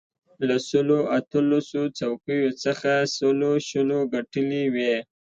له سلو اتلسو څوکیو څخه یې سلو شلو ګټلې وې.